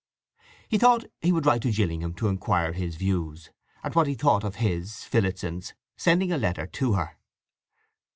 He thought he would write to Gillingham to inquire his views, and what he thought of his, Phillotson's, sending a letter to her.